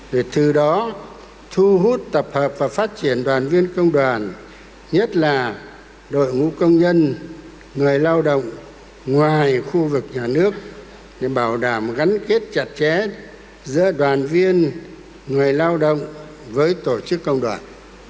để từ đó thu hút tập hợp và phát triển đoàn viên công đoàn nhất là đội ngũ công nhân người lao động ngoài khu vực nhà nước để bảo đảm gắn kết chặt chẽ giữa đoàn viên người lao động với tổ chức công đoàn